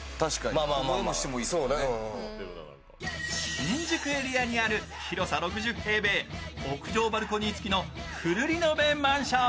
新宿エリアにある広さ６０平米、屋上バルコニーつきのフルリノベマンション。